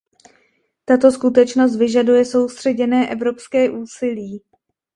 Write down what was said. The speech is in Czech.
Tato skutečnost vyžaduje soustředěné evropské úsilí.